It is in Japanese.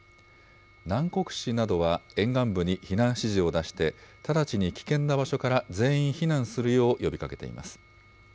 南国市などは沿岸部に避難指示を出して直ちに危険な場所から全員避難するよう呼びかけています。